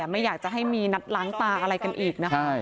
ไม่อยากจะให้มีนัดล้างตาอะไรกันอีกนะคะ